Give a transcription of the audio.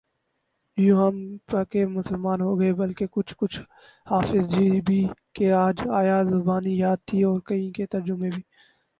یوں ہم پکے مسلمان ہوگئے بلکہ کچھ کچھ حافظ جی بھی کہ کچھ آیات زبانی یاد تھیں اور کئی کے ترجمے بھی